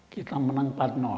kita menang empat